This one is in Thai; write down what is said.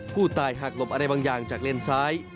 หากหลบอะไรบางอย่างจากเลนซ้าย